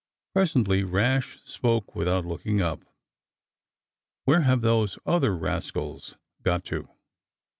Presently Rash spoke without looking up: Where have those other rascals got to?"